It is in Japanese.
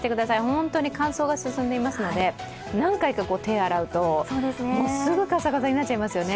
本当に乾燥が進んでいますので、何回か手を洗うともうすぐカサカサになっちゃいますよね。